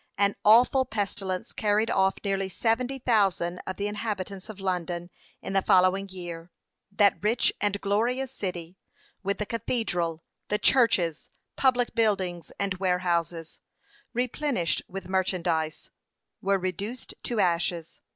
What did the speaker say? An awful pestilence carried off nearly seventy thousand of the inhabitants of London. In the following year, that rich and glorious city, with the cathedral the churches public buildings and warehouses, replenished with merchandise were reduced to ashes.